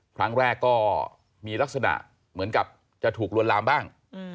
ครั้งแรกก็มีลักษณะเหมือนกับจะถูกลวนลามบ้าง